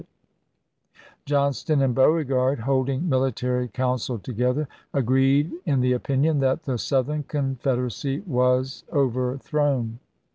"NaiTat^e Johnston and Beauregard, holding military opera;> counsel together, " agreed in the opinion that the p. 397'. Southern Confederacy was overthrown."